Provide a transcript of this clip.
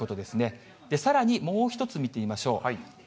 さらに、もう一つ見てみましょう。